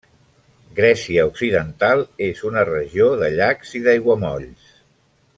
Grècia occidental és una regió de llacs i d'aiguamolls.